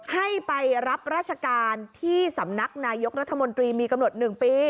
ให้ไปรับราชการที่สำนักนายกรัฐมนตรีมีกำหนด๑ปี